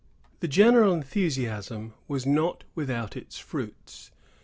The general enthusiasm was not without its fruits.